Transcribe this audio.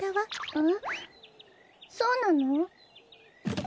えっそうなの？